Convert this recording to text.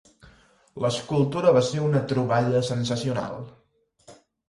L'escultura va ser una troballa sensacional.